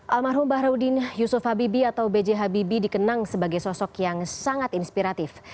almarhum baharudin yusuf habibi atau b j habibie dikenang sebagai sosok yang sangat inspiratif